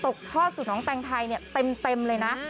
ตกท่อสู่น้องแต่งไทยเนี่ยเต็มเลยนะ